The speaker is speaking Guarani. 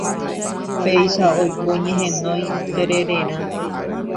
Péicha oiko ñehenói terererã